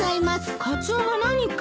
カツオが何か？